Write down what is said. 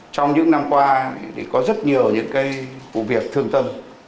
trong những năm qua có rất nhiều những vụ việc thương tâm